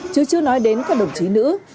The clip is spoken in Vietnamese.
chứ chưa nói đến các đồng chí nữ